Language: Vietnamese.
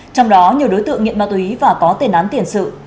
trong đó nhiều đối tượng nghiện mạc tùy và có tên án tiền sự